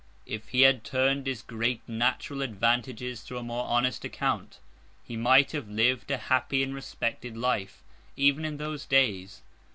If he had turned his great natural advantages to a more honest account, he might have lived a happy and respected life, even in those days.